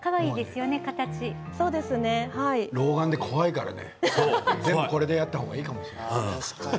老眼で怖いからね全部これでやった方がいいかもしれない。